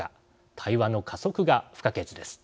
対話の加速が不可欠です。